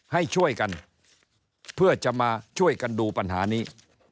ให้ช่วยกันเพื่อจะมาช่วยกันดูปัญหานี้